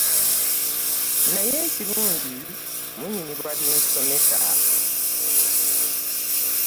Naye ekirungi munyumirwa bye nsomesa.